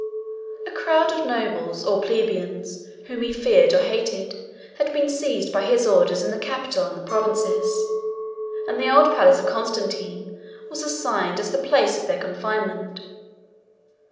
A crowd of nobles or plebeians, whom he feared or hated, had been seized by his orders in the capital and the provinces; and the old palace of Constantine was assigned as the place of their confinement.